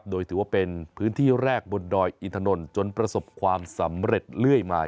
โดยถือว่าเป็นพื้นที่แรกบนดอยอินถนนจนประสบความสำเร็จเรื่อยมา